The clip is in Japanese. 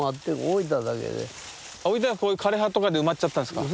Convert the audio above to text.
置いたらこういう枯れ葉とかで埋まっちゃったんすか？